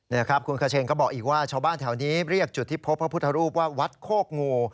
นี่ครับคุณคเชนก็บอกอีกว่าชาวบ้านแถวนี้เรียกจุดที่พบพระพุทธรูปว่าวัดโคกงู